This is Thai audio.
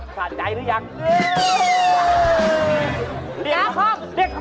นาคมไหล้เพื่อจะขออโหสิกรรมเหรอครับ